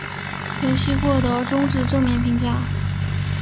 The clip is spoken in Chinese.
游戏获得中至正面评价。